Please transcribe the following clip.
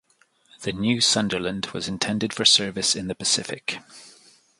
The new Sunderland was intended for service in the Pacific.